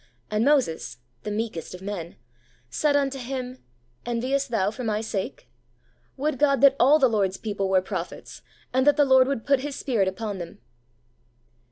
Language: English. And Moses' (the meekest of men) 'said unto him, Enviest thou for my sake ? Would God that all the Lord's people were prophets, and that the Lord would put His Spirit upon them